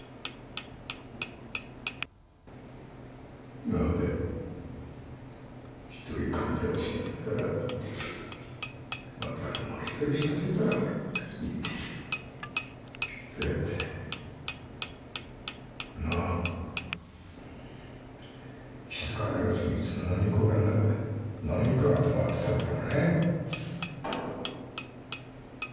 今まで一人患者を死なせたら一滴またもう一人死なせたら一滴そうやって気づかないうちにいつのまにか俺の中で何かがたまってたんだろうね